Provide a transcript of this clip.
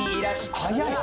早い。